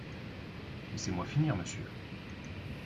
Laissez-moi finir, monsieur.